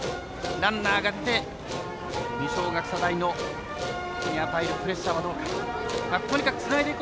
ランナーが出て二松学舎大に与えるプレッシャーはどうか。